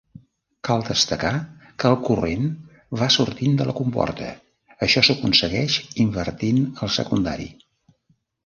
Cal destacar que el corrent va sortint de la comporta, això s'aconsegueix invertint el secundari.